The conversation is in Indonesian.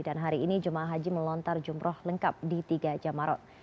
hari ini jemaah haji melontar jumroh lengkap di tiga jamarot